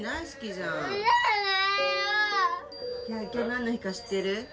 今日何の日か知ってる？